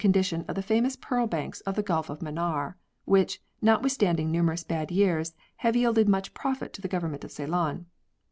condition of the famous pearl banks of the Gulf of Manaar, which, notwithstanding numerous bad years, have yielded much profit to the Government of Ceylon.